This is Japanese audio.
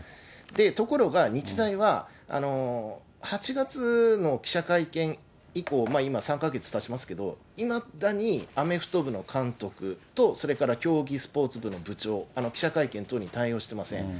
ところが日大は、８月の記者会見以降、今、３か月たちますけど、いまだにアメフト部の監督と、それから競技スポーツ部の部長、記者会見等に対応してません。